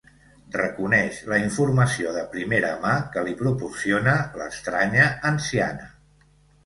Reconeix la informació de primera mà que li proporciona l'estranya anciana.